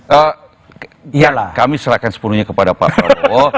eh kami serahkan sepenuhnya kepada pak prabowo